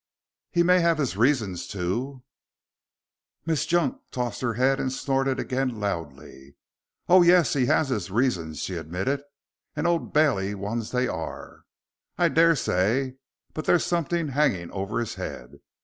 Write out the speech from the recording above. "He may have his reasons to " Miss Junk tossed her head and snorted again loudly. "Oh, yes he has his reasons," she admitted, "and Old Bailey ones they are, I dessay. But there's somethin' 'anging over his head.